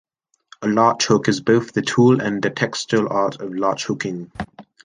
A latch hook is both the tool and the textile art of latch hooking.